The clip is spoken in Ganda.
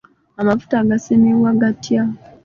Amafuta gasimibwa gatya?